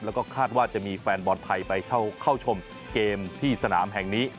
แล้วก็คาดว่าจะมีแฟนบอลไทยไปเข้าชมเกมที่สนามแห่งนี้